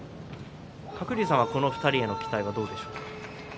鶴竜さんこの２人の期待はどうですか？